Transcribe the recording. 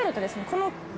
この。